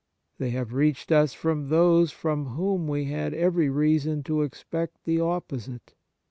They have reached us from those from whom we had every reason to expect the opposite.